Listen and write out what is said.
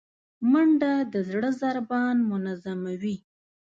منډه د زړه ضربان منظموي